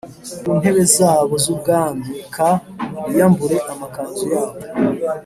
ku ntebe zabo z ubwami k biyambure amakanzu yabo